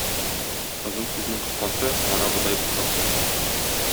Озын сүзнең кыскасы - кара бодай боткасы.